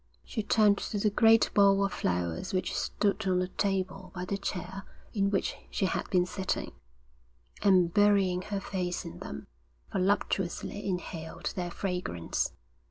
She turned to the great bowl of flowers which stood on a table by the chair in which she had been sitting, and burying her face in them, voluptuously inhaled their fragrance.